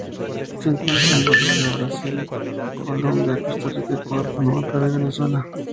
Se encuentra en Bolivia, Brasil, Colombia, Costa Rica, Ecuador, Panamá, Perú y Venezuela.